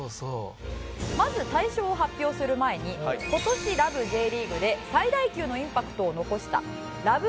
まず大賞を発表する前に今年『ラブ！！Ｊリーグ』で最大級のインパクトを残したラブ！！